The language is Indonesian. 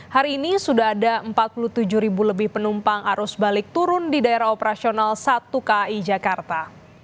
hari ini sudah ada empat puluh tujuh ribu lebih penumpang arus balik turun di daerah operasional satu ki jakarta